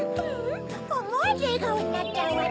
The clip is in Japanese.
おもわずえがおになっちゃうわね。